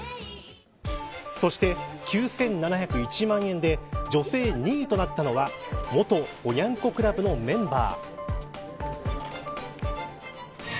そして、９７０１万円で女性２位となったのは元おニャン子クラブのメンバー。